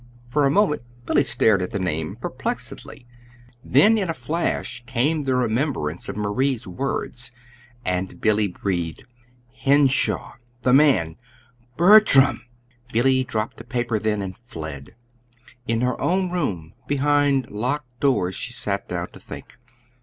For a moment Billy stared at the name perplexedly then in a flash came the remembrance of Marie's words; and Billy breathed: "Henshaw! the man BERTRAM!" Billy dropped the paper then and fled. In her own room, behind locked doors, she sat down to think.